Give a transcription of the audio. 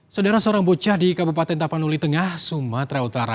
saudara seorang bocah di kabupaten tapanuli tengah sumatera utara